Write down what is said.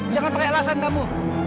jangan pakai alasan kamu